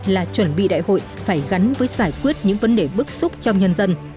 là chuẩn bị đại hội phải gắn với giải quyết những vấn đề bức xúc trong nhân dân